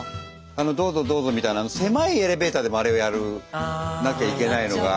あの「どうぞどうぞ」みたいなあの狭いエレベーターでもあれをやらなきゃいけないのが。